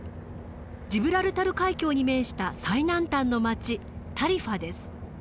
ジブラルタル海峡に面した最南端の町タリファです。